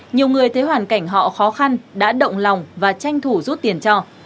nhiều người thấy hoàn cảnh họ khó khăn đã động lòng và tranh thủ rút tiền cho